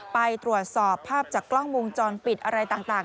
ไปตรวจสอบภาพจากกล้องวงจรปิดอะไรต่าง